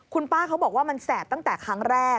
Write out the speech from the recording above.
คุณป้าเขาบอกว่ามันแสบตั้งแต่ครั้งแรก